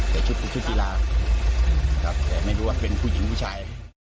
ในชุดธุรกิจธีลาแต่ไม่รู้ว่าเป็นผู้หญิงหรือผู้ชาย